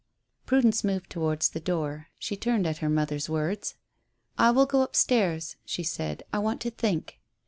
Prudence moved towards the door. She turned at her mother's words. "I will go up stairs," she said. "I want to think."